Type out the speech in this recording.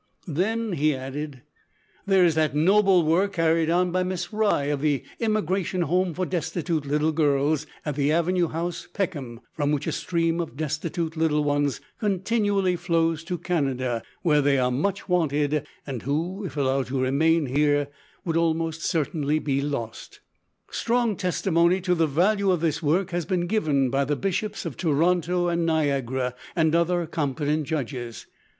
"Then," he added, "there is that noble work carried on by Miss Rye of the Emigration Home for Destitute Little Girls, at the Avenue House, Peckham, from which a stream of destitute little ones continually flows to Canada, where they are much wanted, and who, if allowed to remain here, would almost certainly be lost. Strong testimony to the value of this work has been given by the Bishops of Toronto and Niagara, and other competent judges.